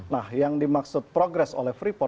nah yang dimaksud progres oleh freeport